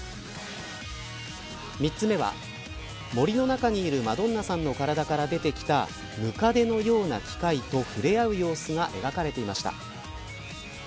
３つ目は、森の中にいるマドンナさんの体から出できたムカデのような機械と触れ合う様子が描かれていました。